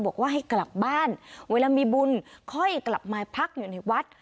บอกว่าให้กลับบ้านเวลามีบุญค่อยกลับมาพักอยู่ในวัด